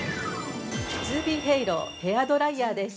ズーヴィヘイローヘアドライヤーです。